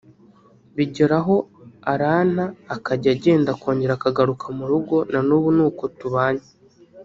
bigera aho aranta akajya agenda akongera akagaruka mu rugo na n’ubu ni uko tubanye